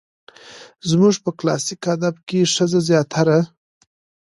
زموږ په کلاسيک ادب کې ښځه زياتره